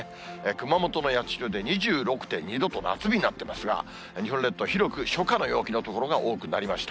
熊本の八代で２６．２度と夏日になっていますが、日本列島、広く初夏の陽気のような所が多くなりました。